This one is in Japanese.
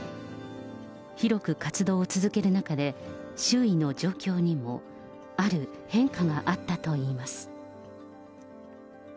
広く活動を続ける中で、周囲の状況にも、ある変化があったといいます。